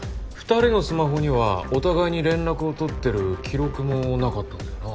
２人のスマホにはお互いに連絡を取ってる記録もなかったんだよな。